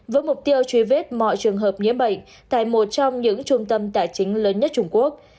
với mục tiêu truy vết mọi trường hợp nhiễm bệnh tại một trong những trung tâm tài chính lớn nhất trung quốc